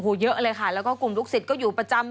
โอ้โหเยอะเลยค่ะแล้วก็กลุ่มลูกศิษย์ก็อยู่ประจำ